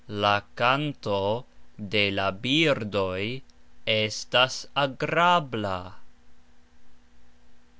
La kanto de la birdoj estas agrabla.